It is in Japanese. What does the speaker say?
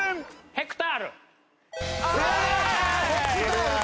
ヘクタールか。